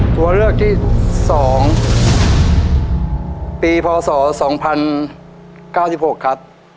ตัวเลือกที่สองปีพศสองพันเก้าสิบหกครับ